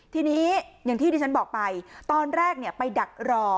ทีนี้อย่างที่ที่ฉันบอกไปตอนแรกไปดักรอ